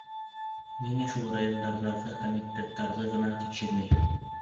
Ниңә шул райондарҙағы комитеттарҙы ғына тикшермәй?